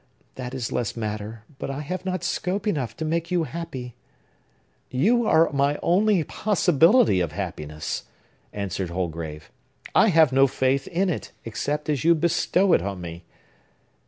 That is less matter. But I have not scope enough to make you happy." "You are my only possibility of happiness!" answered Holgrave. "I have no faith in it, except as you bestow it on me!"